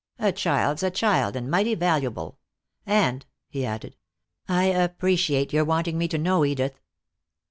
A child's a child, and mighty valuable. And," he added "I appreciate your wanting me to know, Edith."